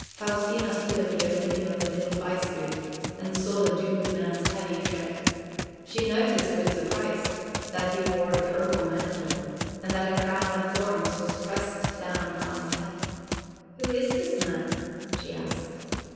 Faustina stood at the opening of the little bystreet and saw the doomed man's heavy tread. She noticed, with surprise, that he wore a purple mantle, and that a crown of thorns was pressed down upon his head. "Who is this man?" she asked.